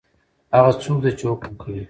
هغه څوک دی چی حکم کوي؟